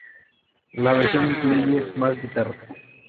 La versión incluye más guitarra.